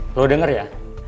lo denger ya